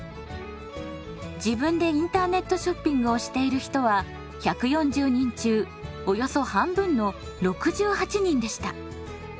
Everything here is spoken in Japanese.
自分でインターネットショッピングをしている人は１４０人中およそ半分の６８人でした。